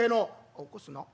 「起こすの？